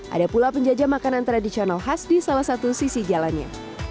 ada pula penjajah makanan tradisional khas di salah satu sisi jalannya